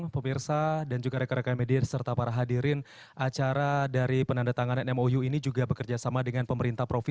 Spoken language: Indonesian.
pemirsa dan juga rekan rekan media serta para hadirin acara dari penandatangan nmou ini juga bekerjasama dengan pemerintah